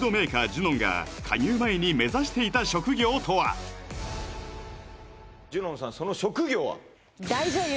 ＪＵＮＯＮが加入前に目指していた職業とはＪＵＮＯＮさんその職業は？